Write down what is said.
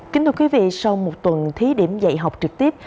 kính thưa quý vị sau một tuần thí điểm dạy học trực tiếp